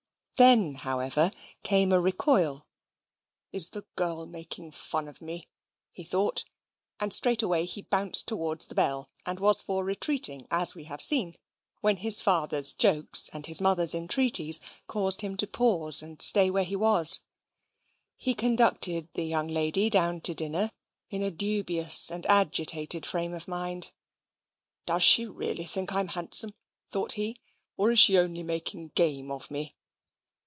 Then, however, came a recoil. "Is the girl making fun of me?" he thought, and straightway he bounced towards the bell, and was for retreating, as we have seen, when his father's jokes and his mother's entreaties caused him to pause and stay where he was. He conducted the young lady down to dinner in a dubious and agitated frame of mind. "Does she really think I am handsome?" thought he, "or is she only making game of me?"